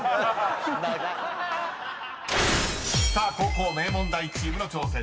［後攻名門大チームの挑戦です］